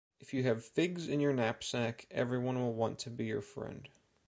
If you have figs in your knapsack, everyone will want to be your friend.